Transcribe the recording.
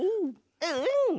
うん！